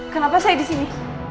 kenapa saya disini